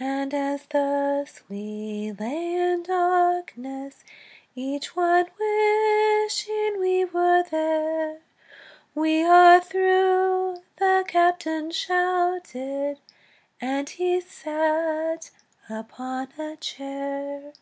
And as thus we lay in darkness, Each one wishing we were there, "We are through!" the captain shouted, And he sat upon a chair.